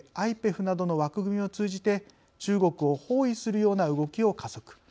ＩＰＥＦなどの枠組みを通じて中国を包囲するような動きを加速。